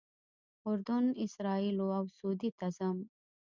اردن، اسرائیلو او سعودي ته ځم.